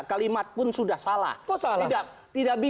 kalimat pun sudah salah